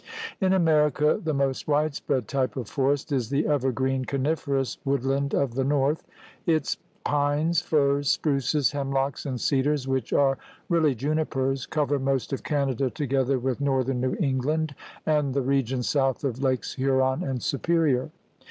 In America the most widespread type of forest is the evergreen coniferous woodland of the north. Its pines, firs, spruces, hemlocks, and cedars which are really junipers, cover most of Canada to gether with northern New England and the re gion south of Lakes Huron and Superior.